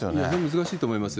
難しいと思います。